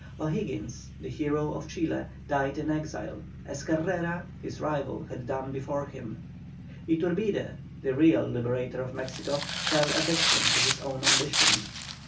O'Higgins, the hero of Chile, died in exile, as Carrera his rival had done before him. Iturbide, the real liberator of Mexico, fell a victim to his own ambition.